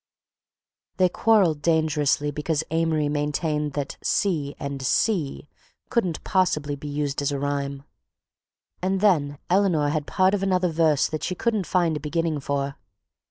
They quarrelled dangerously because Amory maintained that sea and see couldn't possibly be used as a rhyme. And then Eleanor had part of another verse that she couldn't find a beginning for